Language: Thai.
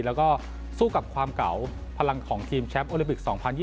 แล้วก็สู้กับความเก่าพลังของทีมแชมป์โอลิปิก๒๐๒๐